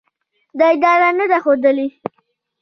دا اراده نه ده ښودلې